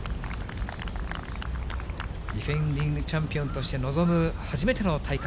ディフェンディングチャンピオンとして臨む、初めての大会。